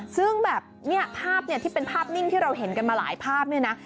ซึ่งแบบเนี่ยภาพเนี่ยที่เป็นภาพนิ่งที่เราเห็นกันมาหลายภาพเนี่ยนะ